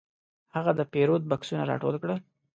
هغه د پیرود بکسونه راټول کړل.